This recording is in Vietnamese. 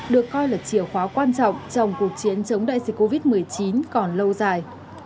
được coi là chiều khóa quan trọng trong cuộc chiến chống đại dịch covid một mươi chín còn lâu dài